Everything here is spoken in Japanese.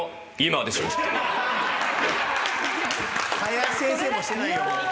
林先生もしてないよ。